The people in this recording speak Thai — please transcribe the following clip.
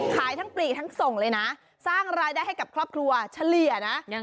ขายทั้งปลีกทั้งส่งเลยนะสร้างรายได้ให้กับครอบครัวเฉลี่ยนะ